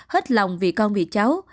hết lòng vì con vì cháu